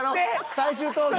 最終投票。